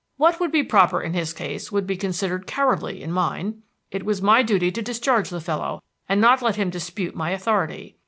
"What would be proper in his case would be considered cowardly in mine. It was my duty to discharge the fellow, and not let him dispute my authority.